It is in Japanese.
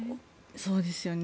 そうですよね。